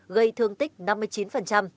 gây thương tích năm mươi chín